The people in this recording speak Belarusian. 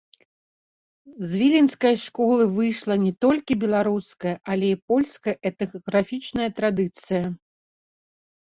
З віленскай школы выйшла не толькі беларуская, але і польская этнаграфічная традыцыя.